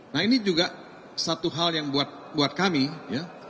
nah ini juga satu hal yang buat kami ya